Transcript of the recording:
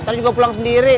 nanti gue pulang sendiri